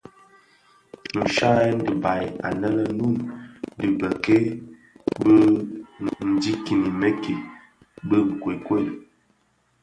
Nshyayèn dhibaï ane lè Noun dhi bikei bi ndikinimiki bi nkokuel.